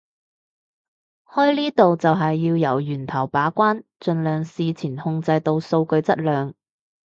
開呢度就係要由源頭把關盡量事前控制到數據質量